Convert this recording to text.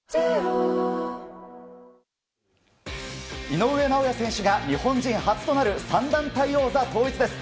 井上尚弥選手が日本人初となる３団体王座統一です。